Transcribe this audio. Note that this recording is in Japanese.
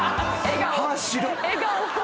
笑顔。